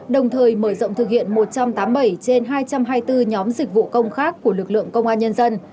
đồng thời mở rộng thực hiện một trăm tám mươi bảy trên hai trăm hai mươi bốn nhóm dịch vụ công khác của lực lượng công an nhân dân